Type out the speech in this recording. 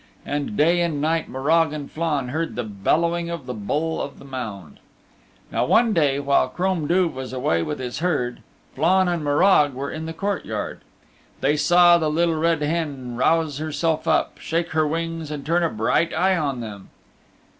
And day and night Morag and Flann heard the bellowing of the Bull of the Mound. Now one day while Crom Duv was away with his herd, Flann and Morag were in the courtyard. They saw the Little Red Hen rouse herself up, shake her wings and turn a bright eye on them.